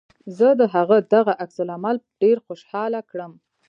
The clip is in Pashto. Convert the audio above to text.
زه د هغه دغه عکس العمل ډېر خوشحاله کړم